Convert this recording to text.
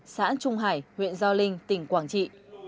xã trung hải huyện giao linh tỉnh quảng trị